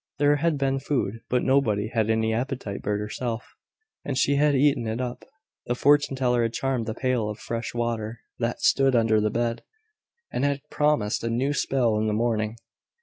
There had been food; but nobody had any appetite but herself, and she had eaten it up. The fortune teller had charmed the pail of fresh water that stood under the bed, and had promised a new spell in the morning.